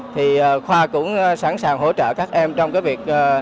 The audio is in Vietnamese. thì khoa cũng sẵn sàng hỗ trợ các em trong cái việc